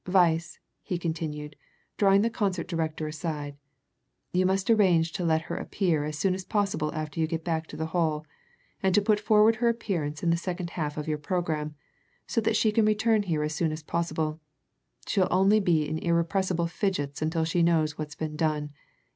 Weiss," he continued, drawing the concert director aside, "you must arrange to let her appear as soon as possible after you get back to the hall, and to put forward her appearance in the second half of your program, so that she can return here as soon as possible she'll only be in irrepressible fidgets until she knows what's been done.